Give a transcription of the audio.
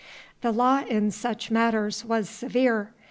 The law in such matters was severe.